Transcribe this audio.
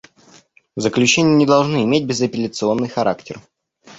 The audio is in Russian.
Заключения не должны иметь безапелляционный характер.